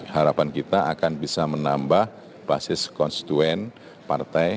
harapan kita akan bisa menambah basis konstituen partai